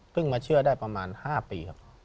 มาเชื่อได้ประมาณ๕ปีครับ